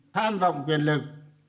tham vọng quyền lực